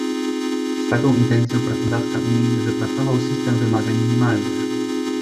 Z taką intencją prawodawca unijny wypracował system wymagań minimalnych